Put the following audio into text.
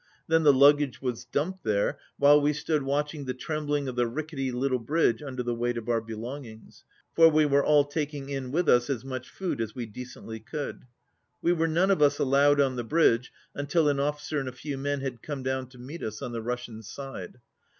Then the luggage was dumped there, while we stood watching the trem bling of the rickety little bridge under the weight of our belongings, for we were all taking in with us as much food as we decently could. We were none of us allowed on the bridge until an officer and a few men had come down to meet us on the Russian side.